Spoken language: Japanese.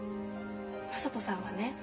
雅人さんはね